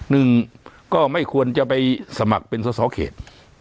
นึงก็ไม่ควรจะไปสมัครเป็นสูตรสาวเขต